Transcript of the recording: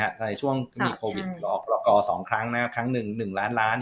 แต่ช่วงศีลโรคทรอดก็คือ๒ครั้งครั้งหนึ่ง๑ล้านล้าน